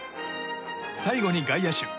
最後に外野手。